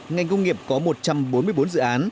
ngành công nghiệp có một trăm bốn mươi bốn dự án